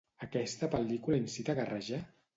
Aquesta pel·lícula incita a guerrejar?